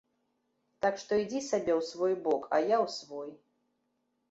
Так што ідзі сабе ў свой бок, а я ў свой.